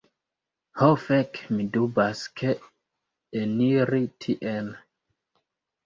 Ho fek' mi dubas, ke eniri tien